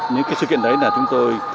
những cái sự kiện đấy là chúng tôi